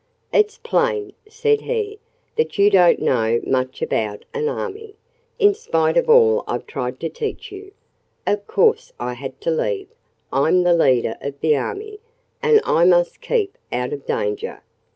"It's plain," said he, "that you don't know much about an army, in spite of all I've tried to teach you. Of course I had to leave. I'm the leader of the army; and I must keep out of danger.